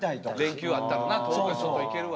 連休あったらな遠くへちょっと行けるわ。